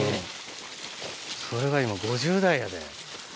それが今５０代やで。